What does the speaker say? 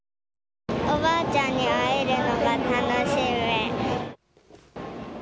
おばあちゃんに会えるのが楽しみ。